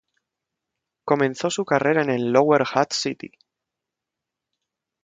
Comenzó su carrera en el Lower Hutt City.